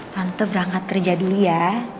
tante berangkat kerja dulu ya